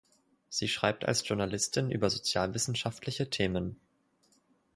Sie schreibt als Journalistin über sozialwissenschaftliche Themen.